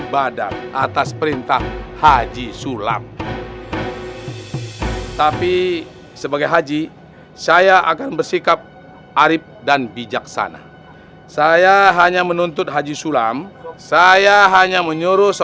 bunun haji sulam jangan membalikkan fakta karena jelas